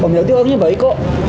kalau aku panggil dia orangnya baik kok